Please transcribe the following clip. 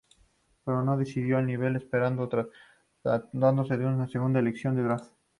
Pero no ha rendido al nivel esperado tratándose de una segunda elección del Draft.